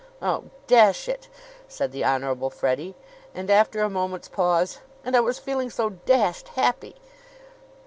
"Oh, dash it!" said the Honorable Freddie. And after a moment's pause: "And I was feeling so dashed happy!"